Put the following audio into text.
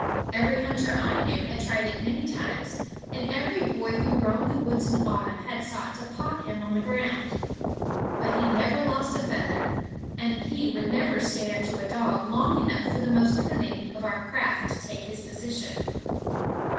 Every hunter I knew had tried it many times; and every boy who roamed the woods in autumn had sought to pot him on the ground. But he never lost a feather; and he would never stand to a dog long enough for the most cunning of our craft to take his position.